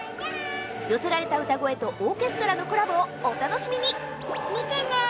寄せられた歌声とオーケストラのコラボをお楽しみに。